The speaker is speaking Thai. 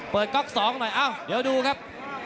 เปิดก๊อกสองหน่อยอ้าวเดี๋ยวดูครับ